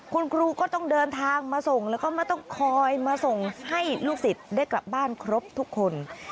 คุณครูก็ต้องเดินทางมาส่งแล้วก็ไม่ต้องคอยมาส่งให้ลูกศิษย์ได้กลับบ้านครบทุกคน